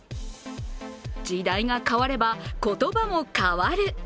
時代が変われば、言葉も変わる。